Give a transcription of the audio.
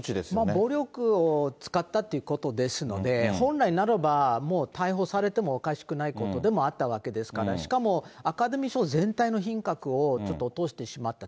暴力を使ったということですので、本来ならばもう逮捕されてもおかしくないことでもあったわけですから、しかも、アカデミー賞全体の品格をちょっと落としてしまった。